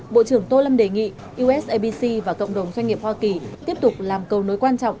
bộ trưởng tô lâm đề nghị usabc và cộng đồng doanh nghiệp hoa kỳ tiếp tục làm cầu nối quan trọng